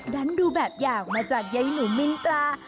ดันดูแบบอย่างมาจากใยหมูมินปลา